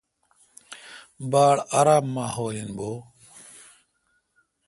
باڑ آرام ماحول این بو۔